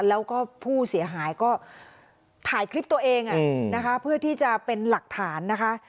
แล้วก็ผู้เสียหายก็ถ่ายคลิปตัวเองนะคะเพื่อที่จะเป็นหลักฐานนะคะ